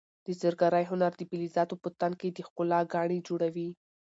د زرګرۍ هنر د فلزاتو په تن کې د ښکلا ګاڼې جوړوي.